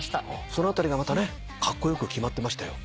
その辺りがまたねカッコ良く決まってましたよ。